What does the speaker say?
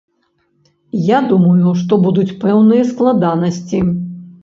Я думаю, што будуць пэўныя складанасці.